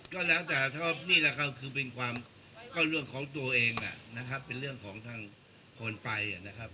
ก็แล้วแต่นี่แหละครับคือเป็นความก็เรื่องของตัวเองนะครับเป็นเรื่องของทางคนไปนะครับ